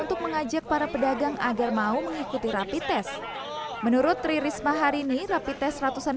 untuk mengajak para pedagang agar mau mengikuti rapi tes menurut tri risma hari ini rapi tes ratusan